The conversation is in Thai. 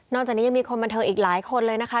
จากนี้ยังมีคนบันเทิงอีกหลายคนเลยนะคะ